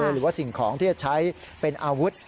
หรือว่าสิ่งของที่จะใช้เป็นอาวุธ